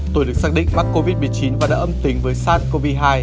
tuổi được xác định mắc covid một mươi chín và đã âm tính với sars cov hai